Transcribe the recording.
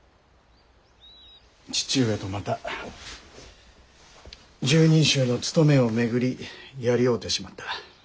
父上とまた拾人衆の務めを巡りやり合うてしまった。